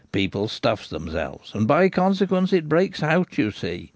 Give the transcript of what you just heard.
People stuffs theirselves, and by consequence it breaks out, you see.